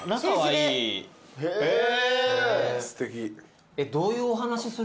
すてき。